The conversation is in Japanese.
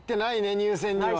入選には。